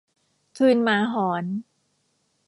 คืนหมาหอน